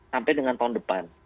sampai dengan tahun depan